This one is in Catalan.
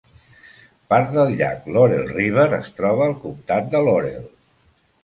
Part del llac Laurel River es troba al comtat de Laurel.